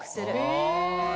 へえ。